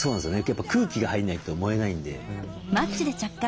やっぱ空気が入んないと燃えないんで。